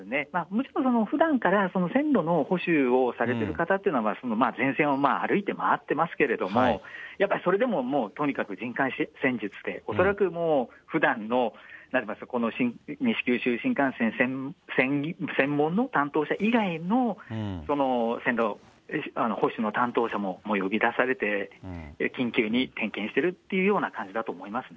むしろふだんから線路の補修をされてる方というのは、全線を歩いて回ってますけれども、やっぱりそれでも、とにかく人海戦術で、恐らくふだんの西九州新幹線専門の担当者以外の線路保守の担当者も呼び出されて、緊急に点検してるというような感じだと思います